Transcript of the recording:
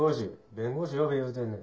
弁護士呼べ言うてんねん。